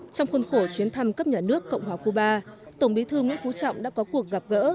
trong khuôn khổ chuyến thăm cấp nhà nước cộng hòa cuba tổng bí thư nguyễn phú trọng đã có cuộc gặp gỡ